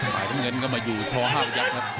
หายน้ำเงินก็มาอยู่ช่อ๕ประยักษณ์ครับ